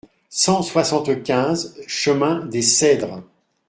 cent soixante-quinze chemin des Cedres